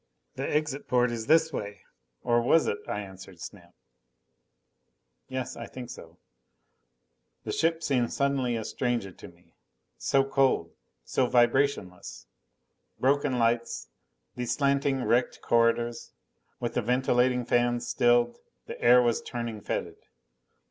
"The exit port is this way." Or was it? I answered Snap, "Yes, I think so." The ship suddenly seemed a stranger to me. So cold. So vibrationless. Broken lights. These slanting wrecked corridors. With the ventilating fans stilled, the air was turning fetid.